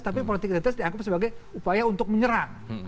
tapi politik identitas dianggap sebagai upaya untuk menyerang